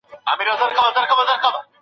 ومي د سترګو نګهبان لکه باڼه ملګري